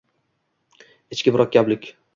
ichki murakkablik